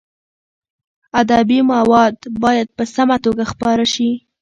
ادبي مواد باید په سمه توګه خپاره شي.